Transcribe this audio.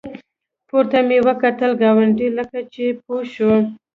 پورته مې وکتل، ګاونډي لکه چې پوه شو.